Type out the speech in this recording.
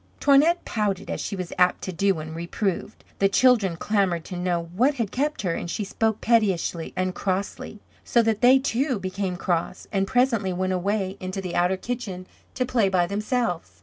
Toinette pouted as she was apt to do when reproved. The children clamoured to know what had kept her, and she spoke pettishly and crossly; so that they too became cross, and presently went away into the outer kitchen to play by themselves.